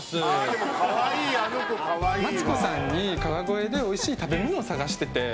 マツコさんに、川越でおいしい食べるの探してて。